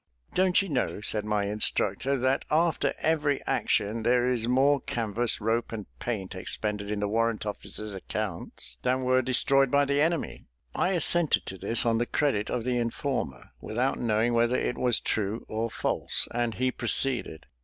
"Don't you know," said my instructor, "that after every action there is more canvas, rope, and paint, expended in the warrant officer's accounts than were destroyed by the enemy?" I assented to this on the credit of the informer, without knowing whether it was true or false, and he proceeded.